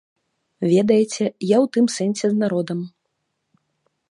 Ведаеце, я ў тым сэнсе з народам.